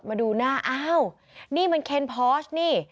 มาดูหน้าอ้าวนี่มันเคนพอสนี่